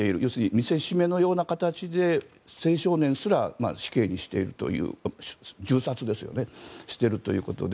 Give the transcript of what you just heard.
見せしめのような形で青少年すら死刑にしているという銃殺しているということで